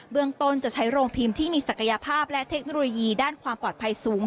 เมืองต้นจะใช้โรงพิมพ์ที่มีศักยภาพและเทคโนโลยีด้านความปลอดภัยสูง